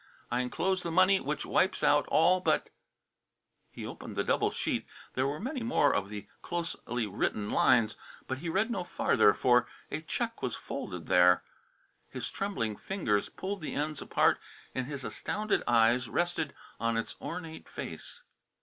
I enclose the money which wipes out all but " He opened the double sheet. There were many more of the closely written lines, but he read no farther, for a check was folded there. His trembling fingers pulled the ends apart and his astounded eyes rested on its ornate face.